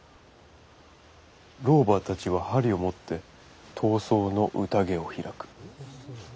老婆たちは針を持って痘瘡の宴を開く？